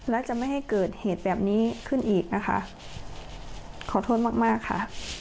และจะไม่ให้เกิดเหตุแบบนี้ขึ้นอีกนะคะขอโทษมากมากค่ะ